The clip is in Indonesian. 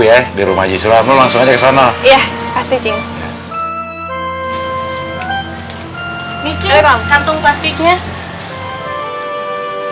ya dirumah jisulam lu langsung aja sana iya pasti cinta